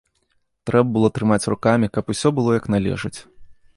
Трэба было трымаць рукамі, каб усё было як належыць.